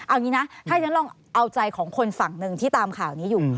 เอางี้นะถ้าฉันลองเอาใจของคนฝั่งหนึ่งที่ตามข่าวนี้อยู่